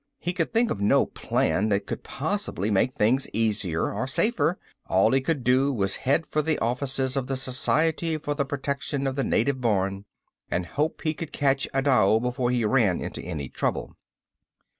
He could think of no plan that could possibly make things easier or safer. All he could do was head for the offices of the Society for the Protection of the Native Born and hope he could catch Adao before he ran into any trouble.